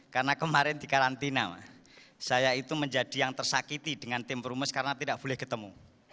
karena kemarin dikarantina saya itu menjadi yang tersakiti dengan tim perumus karena tidak boleh ketemu